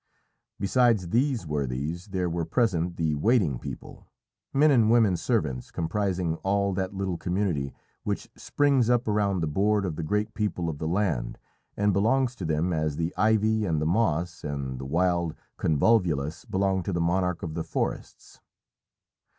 Besides these worthies there were present the waiting people, men and women servants, comprising all that little community which springs up around the board of the great people of the land and belongs to them as the ivy, and the moss, and the wild convolvulus belong to the monarch of the forests.